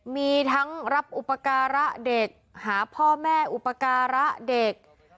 มีทั้งรับอุปการะเด็กหาพ่อแม่อุปการะเด็ก